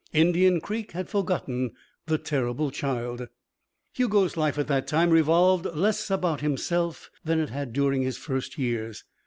Indian Creek had forgotten the terrible child. Hugo's life at that time revolved less about himself than it had during his first years.